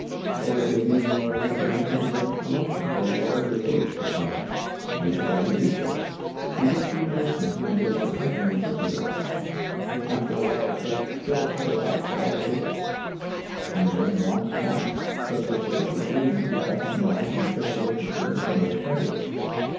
Or it may be you are in a position to grant promotion or a larger wage to some one ; you decide to do so ; he gets the advancement and its accompanying ^lailizccbvGoOgle A THANKSGIVING SERMON 149 perquisites ; after a while a place still higher up falls vacant. He then wants that, but for sufficient reasons you pass him by and fill the vacancy with another candidate.